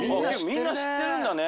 みんな知ってるんだね。